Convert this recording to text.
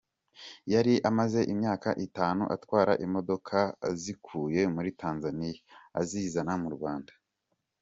Yari amaze imyaka itanu atwara imodoka azikuye muri Tanzania azizana mu Rwanda.